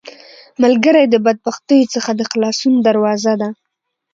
ملګری د بدبختیو څخه د خلاصون دروازه ده